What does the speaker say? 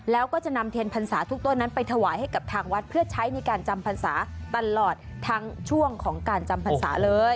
แล้วก็จะนำเทียนพรรษาทุกต้นนั้นไปถวายให้กับทางวัดเพื่อใช้ในการจำพรรษาตลอดทั้งช่วงของการจำพรรษาเลย